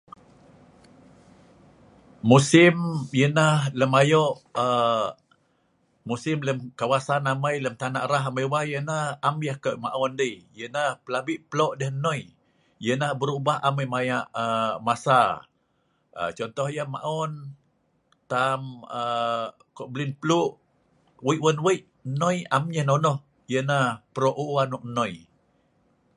Musim yenah lem ayok aa musim lem kawasan amai lem tana rah amai wai, yenah am yah kudut maon dei, yenah plabi plok deh noi, yenah berubah amai maya masa. Contoh yeh maon tam ko' blin pluk weik wan weik, noi am yeh nonoh. Yenah prok ou' anok noi.